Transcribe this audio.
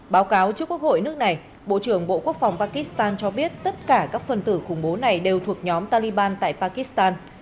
báo cáo trước quốc hội nước này bộ trưởng bộ quốc phòng pakistan cho biết tất cả các phần tử khủng bố này đều thuộc nhóm taliban tại pakistan